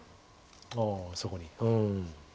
ああそこに。